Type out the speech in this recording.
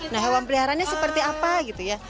nah hewan peliharaannya seperti apa gitu ya